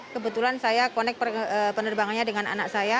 kebetulan saya connect penerbangannya dengan anak saya